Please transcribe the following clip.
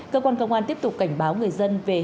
cơ quan công an tiếp tục cảnh báo người dân về hệ thống